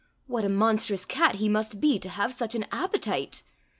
What a monstrous cat he must be to have such an appetite